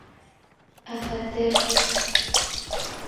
Ә хәтер...